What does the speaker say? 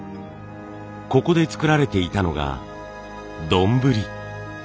ここで作られていたのがどんぶり。